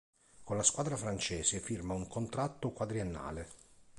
Con la squadra francese firma un contratto quadriennale.